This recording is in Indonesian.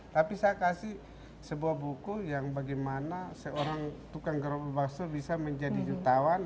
tapi saya memberikan buku yang bagaimana tukang gerobak bakso bisa menjadi jutawan